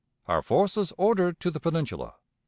Our Forces ordered to the Peninsula.